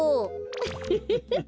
ウフフフ。